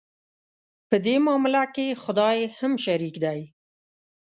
په دې معامله کې خدای هم شریک دی.